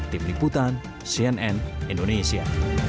tim liputan cnn indonesia